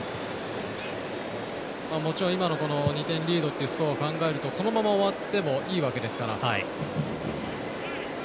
もちろん２点リードのスコアを考えるとこのまま終わってもいいわけですから。